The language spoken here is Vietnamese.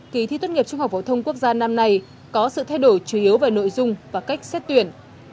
kỳ thi tốt nghiệp trung học phổ thông quốc gia năm nay có sự thay đổi chủ yếu về nội dung và cách xét tuyển